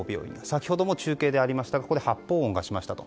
先ほども中継でありましたがここで発砲音がありましたと。